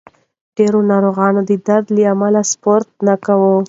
ډېر ناروغان د درد له امله سپورت نه کوي.